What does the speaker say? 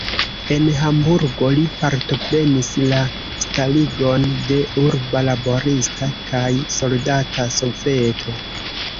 En Hamburgo li partoprenis la starigon de urba laborista kaj soldata soveto.